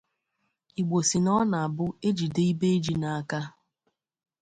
Igbo sị na ọ na-abụ e jide ibe ji n'aka